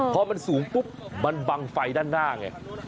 พอมันสูงปุ๊บมันบังไฟด้านหน้าไง